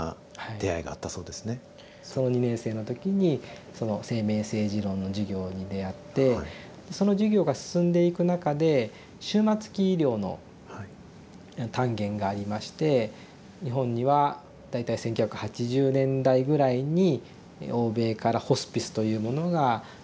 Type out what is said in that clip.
２年生の時に生命政治論の授業に出会ってその授業が進んでいく中で終末期医療の単元がありまして日本には大体１９８０年代ぐらいに欧米からホスピスというものが入ってきて。